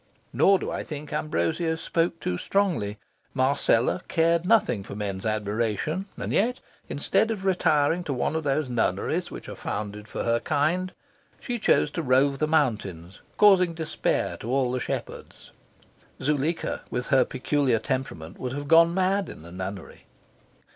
Nor do I think Ambrosio spoke too strongly. Marcella cared nothing for men's admiration, and yet, instead of retiring to one of those nunneries which are founded for her kind, she chose to rove the mountains, causing despair to all the shepherds. Zuleika, with her peculiar temperament, would have gone mad in a nunnery.